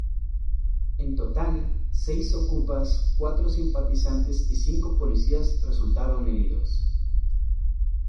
En total, seis "okupas", cuatro simpatizantes y cinco policías resultaron heridos.